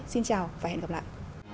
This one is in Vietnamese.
xin chào và hẹn gặp lại